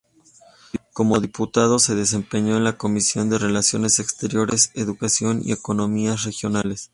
Como diputado se desempeñó en la comisión de relaciones exteriores, educación y economías regionales.